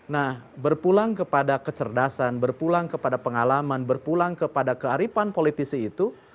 nah berpulang kepada kecerdasan berpulang kepada pengalaman berpulang kepada kearifan politisi itu